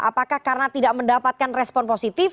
apakah karena tidak mendapatkan respon positif